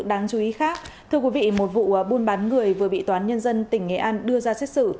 đáng chú ý khác thưa quý vị một vụ buôn bán người vừa bị toán nhân dân tỉnh nghệ an đưa ra xét xử